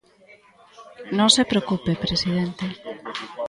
Non se preocupe, presidente.